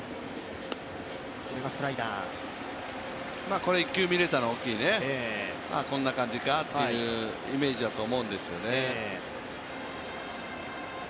これ１球見れたの大きいねこんな感じかというイメージだと思うんですよね。